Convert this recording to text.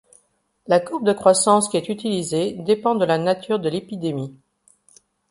La courbe de croissance qui est utilisée dépend de la nature de l'épidémie.